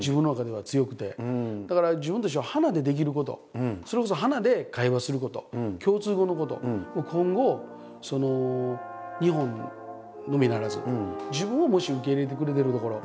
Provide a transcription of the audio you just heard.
だから自分としても花でできることそれこそ花で会話すること共通語のこと今後その日本のみならず自分をもし受け入れてくれてる所もしくは自分を